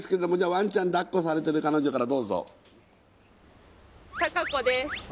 ワンちゃんだっこされてる彼女からどうぞ貴子です